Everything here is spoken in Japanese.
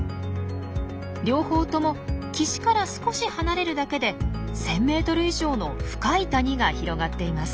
両方とも岸から少し離れるだけで１，０００ｍ以上の深い谷が広がっています。